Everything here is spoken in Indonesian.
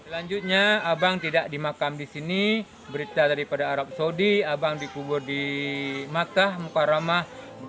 berikutnya abang tidak dimakam disini berita daripada arab saudi abang dikubur di makkah mukarramah